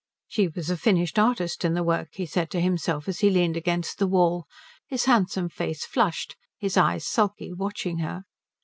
She was a finished artist in the work, he said to himself as he leaned against the wall, his handsome face flushed, his eyes sulky, watching her.